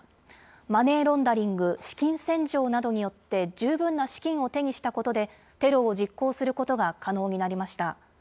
マネーロンダリング・資金洗浄などによって十分な資金を手にしたことで、テロを実行することが可能になりました。